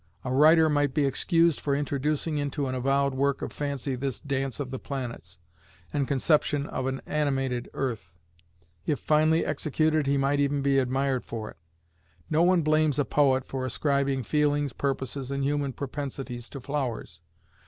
A writer might be excused for introducing into an avowed work of fancy this dance of the planets, and conception of an animated Earth. If finely executed, he might even be admired for it. No one blames a poet for ascribing feelings, purposes, and human propensities to flowers.